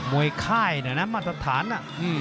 มวยไข้เนี่ยนะมัดสัปฐานอ่ะ